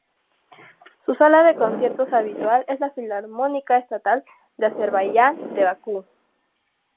Su sala de conciertos habitual es la Filarmónica Estatal de Azerbaiyán de Bakú.